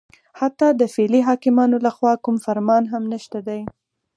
حتی د فعلي حاکمانو لخوا کوم فرمان هم نشته دی